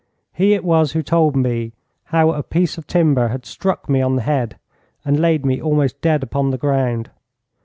He it was who told me how a piece of timber had struck me on the head and laid me almost dead upon the ground.